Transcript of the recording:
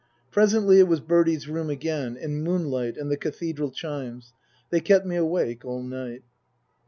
Presently it was Bertie's room again, and moonlight, and the Cathedral chimes. They kept me awake all night.